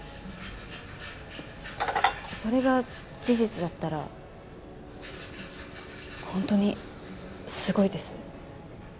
それが事実だったら本当にすごいです。